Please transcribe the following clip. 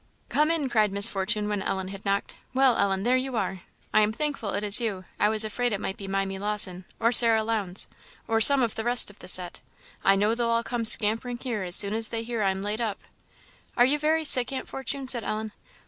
"Come in," cried Miss Fortune when Ellen had knocked. "Well, Ellen, there you are. I am thankful it is you; I was afraid it might be Mimy Lawson, or Sarah Lowndes, or some of the rest of the set; I know they'll all come scampering here as soon as they hear I'm laid up." "Are you very sick, Aunt Fortune?" said Ellen.